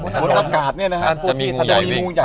บนอากาศเนี่ยนะฮะพวกนี้จะมีงูใหญ่วิ่ง